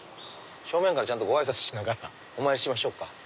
正面からごあいさつしながらお参りしましょうか。